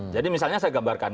jadi misalnya saya gambarkan